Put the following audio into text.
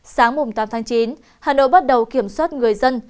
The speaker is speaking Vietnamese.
sáng tám tháng chín hà nội bắt đầu kiểm soát người dân